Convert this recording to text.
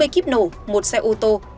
bốn mươi kíp nổ một xe ô tô